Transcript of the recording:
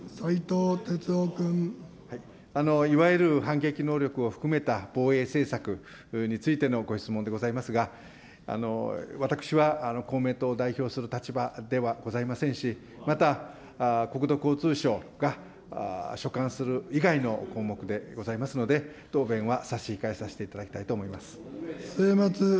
いわゆる反撃能力を含めた防衛政策についてのご質問でございますが、私は公明党を代表する立場ではございませんし、また国土交通省が所管する以外の項目でございますので、答弁は差し控えさせていただきたいと思います。